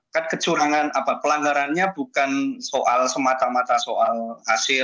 kan kecurangan apa pelanggarannya bukan soal semata mata soal hasil